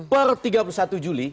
per tiga puluh satu juli